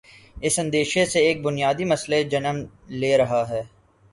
اس اندیشے سے ایک بنیادی مسئلہ جنم لے رہاہے۔